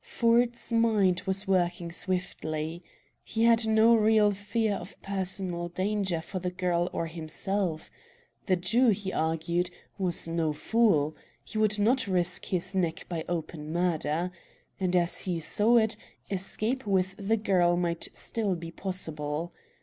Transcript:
Ford's mind was working swiftly. He had no real fear of personal danger for the girl or himself. The Jew, he argued, was no fool. He would not risk his neck by open murder. And, as he saw it, escape with the girl might still be possible.